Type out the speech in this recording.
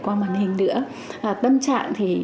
qua màn hình nữa tâm trạng thì